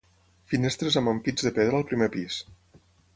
Finestres amb ampits de pedra al primer pis.